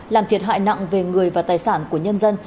làm thiệt hại nặng về người và tài sản của nhân dân